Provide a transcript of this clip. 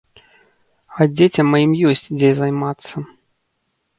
А дзецям маім ёсць, дзе займацца.